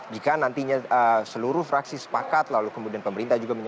jika nantinya seluruh fraksi sepakat lalu kemudian pemerintah juga menjelaskan